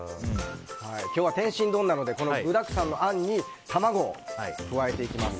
今日は天津丼なので具だくさんのあんに卵を加えていきます。